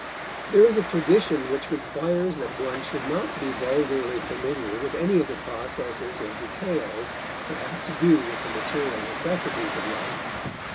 There is a tradition which requires that one should not be vulgarly familiar with any of the processes or details that have to do with the material necessities of life.